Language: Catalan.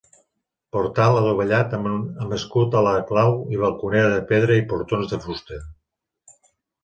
Portal adovellat amb escut a la clau i balconera de pedra i portons de fusta.